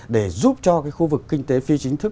để giúp cho cái khu vực kinh tế phi chính thức